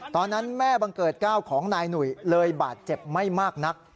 ตอนนั้นแม่บังเกิดก้าวของนายหนุ่ยเลยบาดเจ็บไม่มากนัก